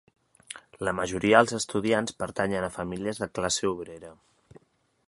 La majoria dels estudiants pertanyen a famílies de classe obrera.